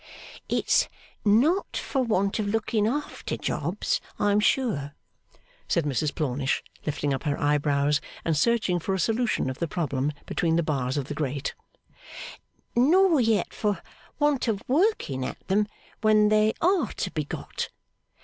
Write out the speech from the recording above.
'It's not for want of looking after jobs, I am sure,' said Mrs Plornish, lifting up her eyebrows, and searching for a solution of the problem between the bars of the grate; 'nor yet for want of working at them when they are to be got.